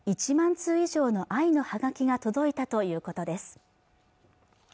１万通以上の愛のハガキが届いたということです